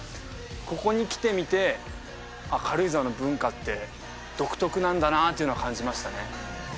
ここに来てみて軽井沢の文化って独特なんだなっていうのは感じましたね